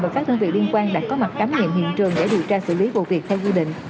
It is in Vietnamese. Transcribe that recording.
và các nhân viên liên quan đã có mặt cảm nhiệm hiện trường để điều tra xử lý vụ việc theo quy định